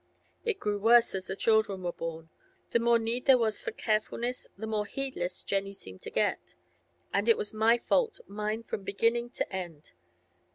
It grew worse as the children were born. The more need there was for carefulness, the more heedless Jenny seemed to get. And it was my fault, mine from beginning to end.